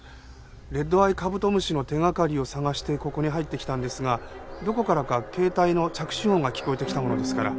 レッドアイカブトムシの手掛かりを探してここに入ってきたんですがどこからか携帯の着信音が聞こえてきたものですから。